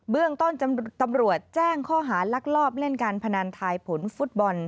เรื่องต้นตำรวจแจ้งข้อหาลักลอบเล่นการพนันทายผลฟุตบอล